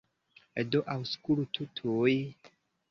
Do, aŭskultu tuj!